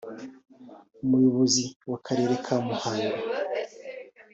umuyobozi w’akarere ka Muhanga